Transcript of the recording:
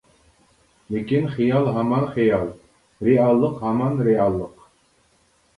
لېكىن خىيال ھامان خىيال، رېئاللىق ھامان رېئاللىق.